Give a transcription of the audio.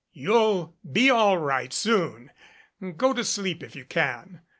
You'll be all right soon. Go to sleep if you can."